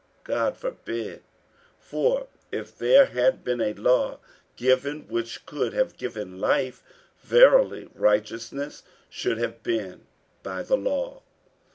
God forbid: for if there had been a law given which could have given life, verily righteousness should have been by the law.